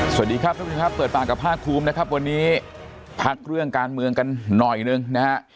สวัสดีครับทุกผู้ชมครับเปิดปากกับภาคภูมินะครับวันนี้พักเรื่องการเมืองกันหน่อยหนึ่งนะฮะ